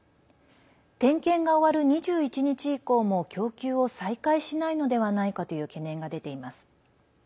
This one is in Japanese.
点検が終わる２１日以降も供給を再開しないのではないかという懸念が出ています。